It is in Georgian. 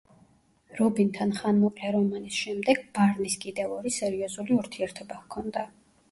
რობინთან ხანმოკლე რომანის შემდეგ, ბარნის კიდევ ორი სერიოზული ურთიერთობა ჰქონდა.